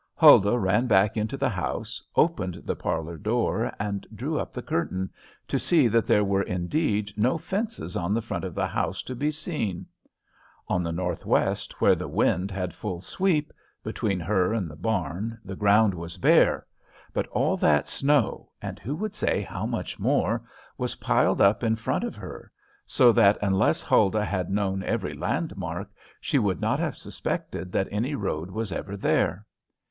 Huldah ran back into the house, opened the parlor door and drew up the curtain, to see that there were indeed no fences on the front of the house to be seen. On the northwest, where the wind had full sweep, between her and the barn, the ground was bare. But all that snow and who should say how much more? was piled up in front of her; so that unless Huldah had known every landmark, she would not have suspected that any road was ever there.